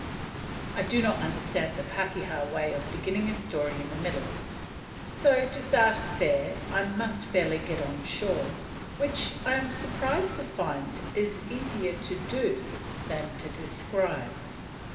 I do not understand the pakeha way of beginning a story in the middle; so to start fair, I must fairly get on shore, which, I am surprised to find, was easier to do than to describe.